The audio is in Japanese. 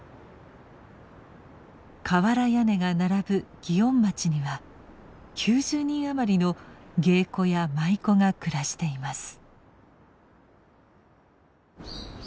瓦屋根が並ぶ祇園町には９０人余りの芸妓や舞妓が暮らしています。